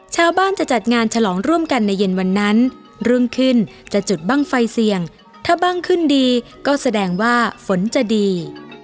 ชาวบ้านจะจัดงานฉลองร่วมกันในเย็นวันนั้นรุ่งขึ้นจะจุดบ้างไฟเสี่ยงถ้าบ้างขึ้นดีก็แสดงว่าฝนจะดี